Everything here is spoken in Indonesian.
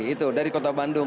itu dari kota bandung